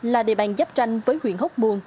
là địa bàn giáp ranh với huyện hốc buôn